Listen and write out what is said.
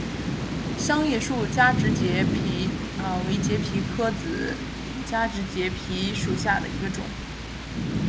香叶树加植节蜱为节蜱科子加植节蜱属下的一个种。